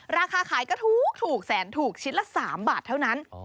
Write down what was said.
ราคาขายก็ถูกแสนถูกชิ้นละ๓บาทเท่านั้น